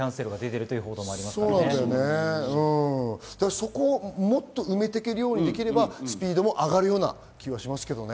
そこをもっと埋めていけるようになれば、スピードも上がるような気がしますけどね。